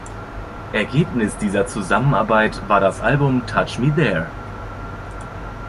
Ergebnis dieser Zusammenarbeit war das Album "Touch Me There".